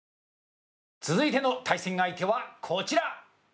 続いての対戦相手はこちら！